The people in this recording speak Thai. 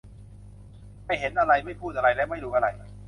ไม่เห็นอะไร ไม่พูดอะไร และไม่รู้อะไร